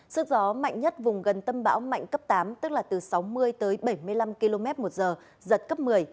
sức gió mạnh nhất vùng gần tâm bão mạnh cấp tám tức là từ sáu mươi tới bảy mươi năm km một giờ giật cấp một mươi